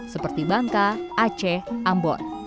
seperti bangka aceh ambon